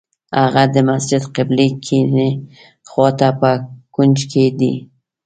هغه د مسجد قبلې کیڼې خوا ته په کونج کې دی.